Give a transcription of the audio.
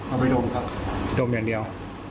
เอาไปดมครับดมอย่างเดียว